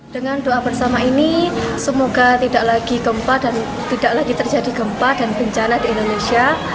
dengan doa bersama ini semoga tidak lagi terjadi gempa dan bencana di indonesia